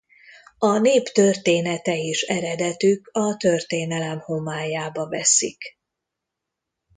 A nép története és eredetük a történelem homályába veszik.